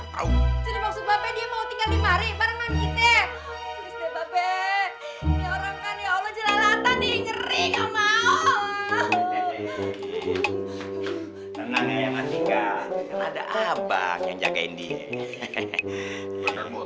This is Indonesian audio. kalau dia macam macam borok aja lehernya kagak